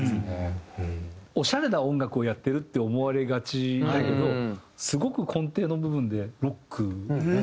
オシャレな音楽をやってるって思われがちだけどすごく根底の部分でロック。ですね。